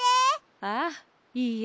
ああいいよ。